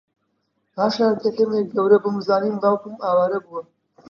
پاشان کە کەمێک گەورەبووم زانیم باوکم ئاوارە بووە